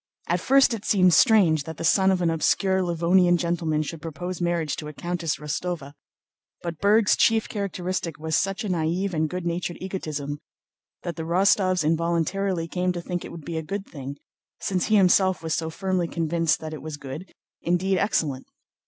At first it seemed strange that the son of an obscure Livonian gentleman should propose marriage to a Countess Rostóva; but Berg's chief characteristic was such a naïve and good natured egotism that the Rostóvs involuntarily came to think it would be a good thing, since he himself was so firmly convinced that it was good, indeed excellent.